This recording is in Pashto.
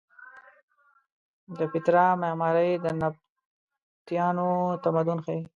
د پیترا معمارۍ د نبطیانو تمدن ښیې.